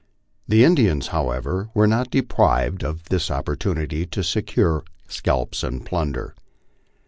The Indians, however, were not to be deprived of this opportunity to secure scalps and plunder.